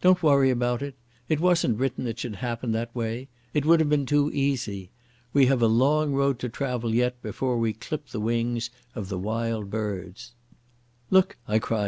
"Don't worry about it. It wasn't written it should happen that way. It would have been too easy. We have a long road to travel yet before we clip the wings of the Wild Birds." "Look," I cried.